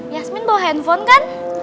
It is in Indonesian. yasmin bawa handphone kan